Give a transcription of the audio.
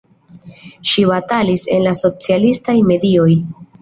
Ŝi batalis en la socialistaj medioj.